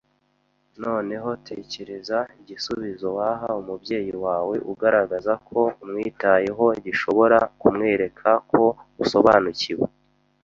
Noneho tekereza igisubizo waha umubyeyi wawe ugaragaza ko umwitayeho gishobora kumwereka ko usobanukiwe